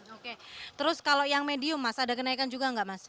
oke terus kalau yang medium mas ada kenaikan juga nggak mas